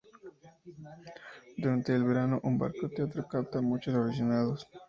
Durante el verano, un barco teatro capta muchos aficionados.